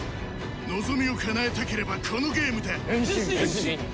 望みをかなえたければこのゲームで変身！